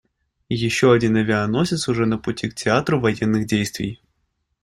Еще один авианосец уже на пути к театру военных действий.